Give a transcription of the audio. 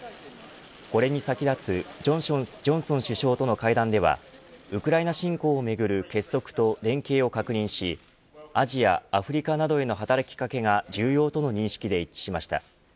これに先立つジョンソン首相との会談ではウクライナ侵攻をめぐる結束と連携を確認しアジア、アフリカなどへの働き掛けが重要との認識で一致しました。